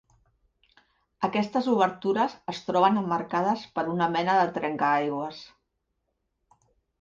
Aquestes obertures es troben emmarcades per una mena de trencaaigües.